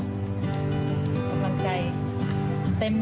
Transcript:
กำลังใจเต็ม